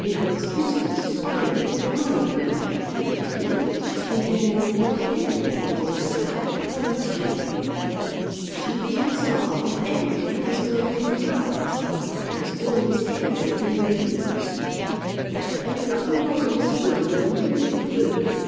It was useless for him to remind her that hitherto she had never wanted anything for herself or her children. She was resolved that everything was going to the dogs because Goarly's case had been refused. "And what will all those sporting men do for you?"